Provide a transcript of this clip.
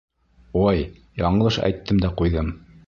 Ой, яңылыш әйттем дә ҡуйҙым.